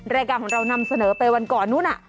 รายการของเรานำเสนอไปวันก่อนนู้น